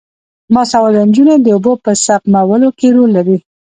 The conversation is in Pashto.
باسواده نجونې د اوبو په سپمولو کې رول لري.